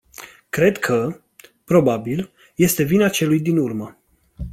Cred că, probabil, este vina celui din urmă.